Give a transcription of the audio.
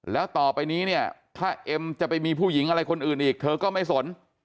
แล้วต่อไปนี้เนี่ยถ้าเอ็มจะไปมีผู้หญิงอะไรคนอื่นอีกเธอก็ไม่สน